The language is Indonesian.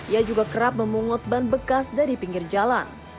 ia juga kerap memungut ban bekas dari pinggir jalan